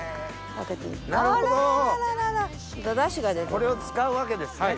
これを使うわけですね